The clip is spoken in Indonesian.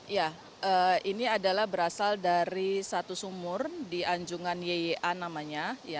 ya ini adalah berasal dari satu sumur di anjungan yia namanya